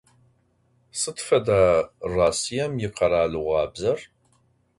Sıd feda Rossiêm yikheralığuabzer?